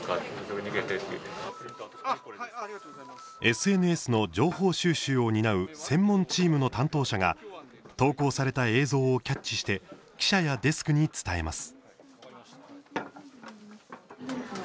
ＳＮＳの情報収集を担う専門チームの担当者が投稿された映像をキャッチして記者やデスクに伝えます。